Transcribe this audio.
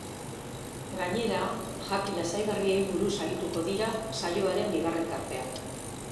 Gainera, jaki lasaigarriei buruz arituko dira saioaren bigarren tartean.